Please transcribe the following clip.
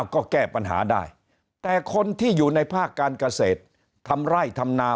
ก็แก้ปัญหาได้แต่คนที่อยู่ในภาคการเกษตรทำไร่ทำนา